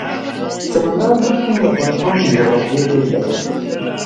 سمندر نه شتون د افغانستان د جغرافیې بېلګه ده.